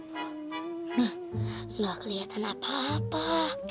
hmm gak kelihatan apa apa